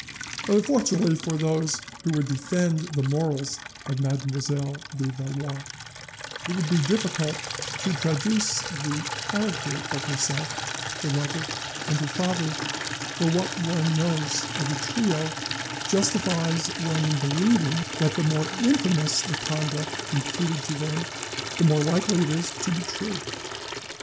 But unfortunately for those who would defend the morals of Mademoiselle de Valois, it would be difficult to traduce the character of herself, her lover, and her father, for what one knows of the trio justifies one in believing that the more infamous the conduct imputed to them, the more likely it is to be true.